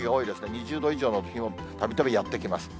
２０度以上の日もたびたびやって来ます。